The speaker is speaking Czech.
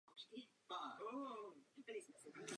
Vozovna se nacházela na Korunní třídě poblíž Flory.